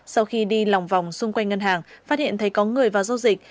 sau khi đi lòng vòng xung quanh ngân hàng phát hiện thấy có người vào giao dịch